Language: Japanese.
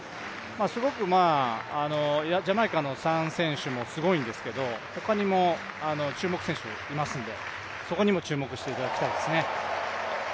すごくジャマイカの３選手もすごいんですけれども、他にも、注目選手、いますんでそこにも注目していただきたいですね。